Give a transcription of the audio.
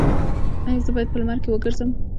ایا زه باید په لمر کې وګرځم؟